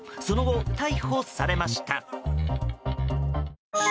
その後、逮捕されました。